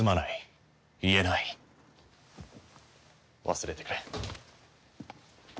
忘れてくれ。